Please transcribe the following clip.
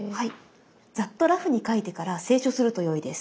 ざっとラフに描いてから清書するとよいです。